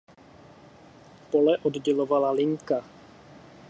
Pole oddělovala linka.